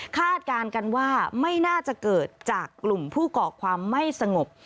การกันว่าไม่น่าจะเกิดจากกลุ่มผู้ก่อความไม่สงบ